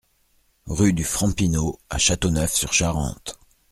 Rue du Franc Pineau à Châteauneuf-sur-Charente